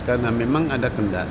karena memang ada kendala